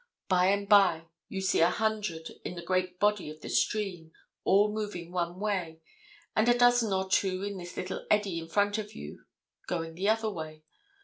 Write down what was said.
By and by you see a hundred in the great body of the stream, all moving one way, and a dozen or two in this little eddy in front of you going the other way.